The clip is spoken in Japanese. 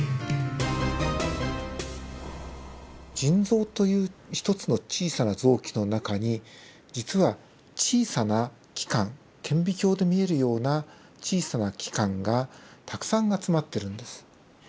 腎臓という一つの小さなの臓器の中に実は小さな器官顕微鏡で見えるような小さな器官がたくさん集まってるんです。